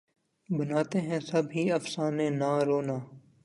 بناتے ہیں سب ہی افسانے نہ رونا